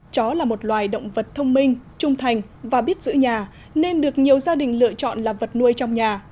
chó là một loài động vật thông minh trung thành và biết giữ nhà nên được nhiều gia đình lựa chọn là vật nuôi trong nhà